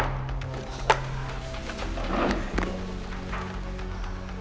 bukan cuma kita